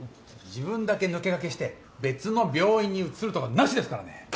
自分だけ抜け駆けして別の病院に移るとかなしですからね。